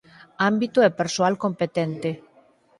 Ámbito e persoal competente.